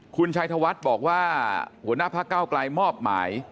คุณชัยธวัฒน์บอกว่าหัวหน้าพักเก้าไกลมอบหมาย